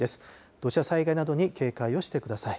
土砂災害などに警戒をしてください。